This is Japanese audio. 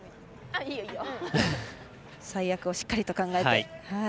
最悪をしっかりと考えて。